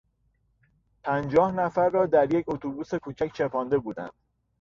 پنجاه نفر را در یک اتوبوس کوچک چپانده بودند.